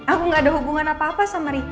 aku gak ada hubungan apa apa sama riko